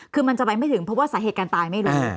คือมันจะไปไม่ถึงเพราะว่าสาเหตุการณ์ตายไม่รู้